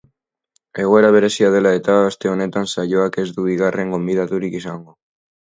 Egoera berezia dela eta, aste honetan saioak ez du bigarren gonbidaturik izango.